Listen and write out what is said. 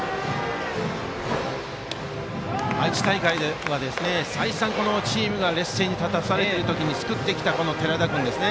愛知大会では再三チームが劣勢に立たされている時に救ってきた寺田君ですね。